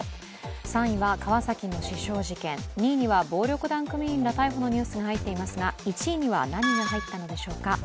３位は川崎の刺傷事件、２位には暴力団組員の逮捕のニュースが入っていますが１位には何が入ったのでしょうか。